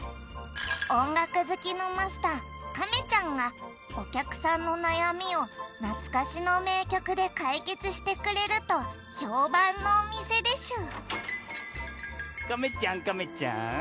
おんがくずきのマスター亀ちゃんがおきゃくさんのなやみをなつかしのめいきょくでかいけつしてくれるとひょうばんのおみせでしゅ・亀ちゃん亀ちゃん。